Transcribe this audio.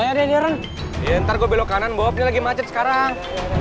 ya ntar gue belok kanan bobotnya lagi macet sekarang